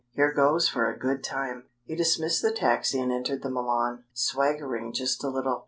Here goes for a good time!" He dismissed the taxi and entered the Milan, swaggering just a little.